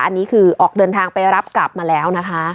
อันนี้คือออกเดินทางไปรับกลับมาแล้วนะคะ